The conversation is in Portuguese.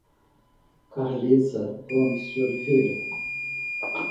Carlisa Gomes de Oliveira